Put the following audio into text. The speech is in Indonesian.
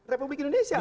republik indonesia loh